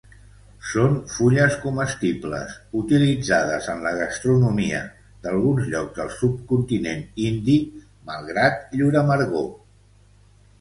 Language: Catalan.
Són fulles comestibles, utilitzades en la gastronomia d'alguns llocs del subcontinent indi malgrat llur amargor.